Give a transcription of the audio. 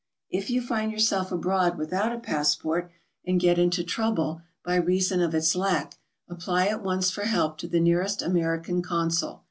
If you find yourself abroad without a passport and get into trouble by reason of its lack, apply at once for help to the nearest American consul.